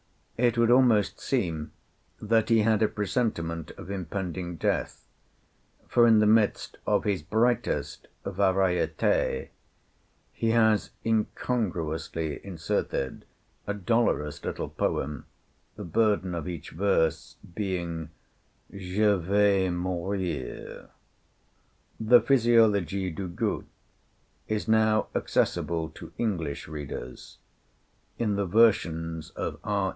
It would almost seem that he had a presentiment of impending death, for in the midst of his brightest 'Variétés' he has incongruously inserted a dolorous little poem, the burden of each verse being "Je vais mourir." The 'Physiologic du Goût' is now accessible to English readers in the versions of R.